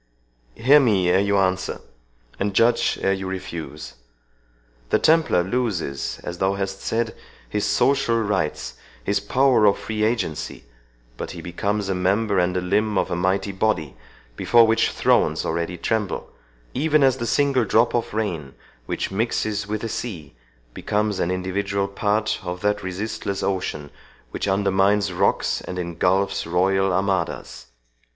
—Hear me ere you answer and judge ere you refuse.—The Templar loses, as thou hast said, his social rights, his power of free agency, but he becomes a member and a limb of a mighty body, before which thrones already tremble,—even as the single drop of rain which mixes with the sea becomes an individual part of that resistless ocean, which undermines rocks and ingulfs royal armadas.